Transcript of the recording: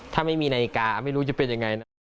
ถ้าไม่มีนาฬิกาไม่รู้จะเป็นยังไงนะ